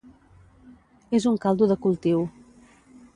És un caldo de cultiu.